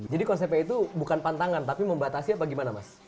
jadi konsepnya itu bukan pantangan tapi membatasi apa gimana mas